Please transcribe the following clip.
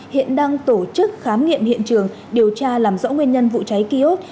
hiện đang tổ chức khám nghiệm hiện trường điều tra làm rõ nguyên nhân vụ cháy ký ốt